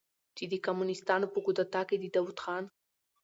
چې د کمونستانو په کودتا کې د داؤد خان